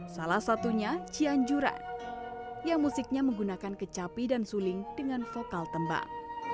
salah satunya cianjuran yang musiknya menggunakan kecapi dan suling dengan vokal tembang